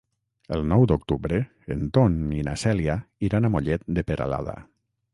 El nou d'octubre en Ton i na Cèlia iran a Mollet de Peralada.